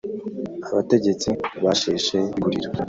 abategetsi basheshe iguriro